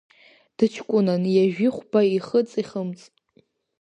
Дыҷкәынан, ҩажәи хәба ихыҵ-ихымҵ.